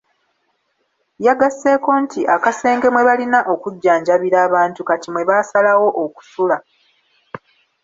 Yagasseeko nti akasenge mwe balina okujjanjabira abantu kati mwe baasalawo okusula.